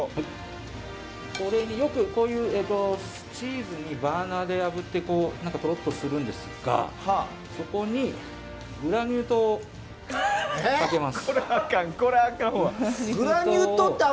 よくこういうチーズをバーナーであぶってとろっとさせるんですがそこに、グラニュー糖をかけます。